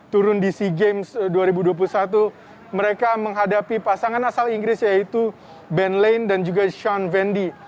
turun di sea games dua ribu dua puluh satu mereka menghadapi pasangan asal inggris yaitu ben lane dan juga shan fendi